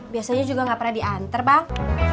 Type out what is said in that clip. biasanya juga nggak pernah diantar bang